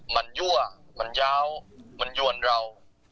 มันยั่วมันยาวมันยวนเรา